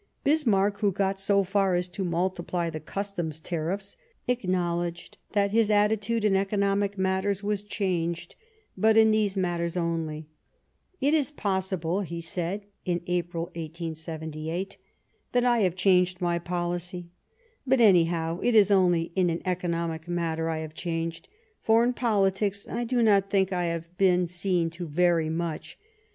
Bismarck, who got so far as to multiply the Customs tariffs, acknowledged that his attitude in economic matters was changed, but in these matters only. "It is possible," he said in April 1878, that I have changed my policy. But, anyhow, it is only in an economic matter I have changed ; for, in politics, I do not think I have been seen to vary much